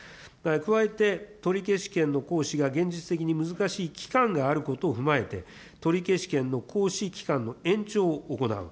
加えて取消権の行使が現実的に難しい期間があることを踏まえて、取消権の行使期間の延長を行う。